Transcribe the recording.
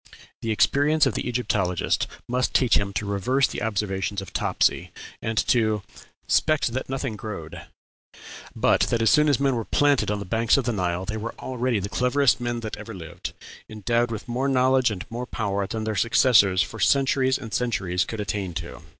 The experience of the Egyptologist must teach him to reverse the observation of Topsy, and to '`spect that nothing growed,' but that as soon as men were planted on the banks of the Nile they were already the cleverest men that ever lived, endowed with more knowledge and more power than their successors for centuries and centuries could attain to.